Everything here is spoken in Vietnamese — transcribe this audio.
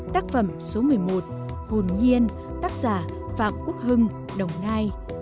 tác phẩm số một mươi một hồn nhiên tác giả phạm quốc hưng đồng nai